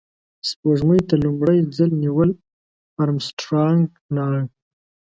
سپوږمۍ ته لومړی ځل نیل آرمسټرانګ لاړ